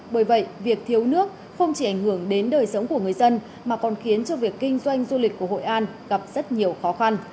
bởi vậy việc thiếu nước không chỉ ảnh hưởng đến đời sống của người dân mà còn khiến cho việc kinh doanh du lịch của hội an gặp rất nhiều khó khăn